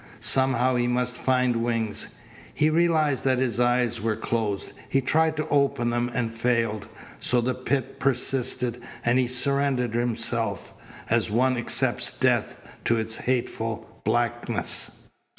Somehow he must find wings. He realized that his eyes were closed. He tried to open them and failed. So the pit persisted and he surrendered himself, as one accepts death, to its hateful blackness.